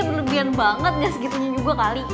berlebihan banget gak segitunya juga kali